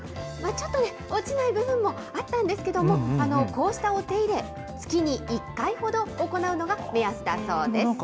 ちょっとね、落ちない部分もあったんですけども、こうしたお手入れ、月に１回ほど行うのが目安だそうです。